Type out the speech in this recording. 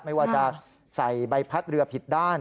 ไม่ว่าจะใส่ใบพัดเรือผิดด้าน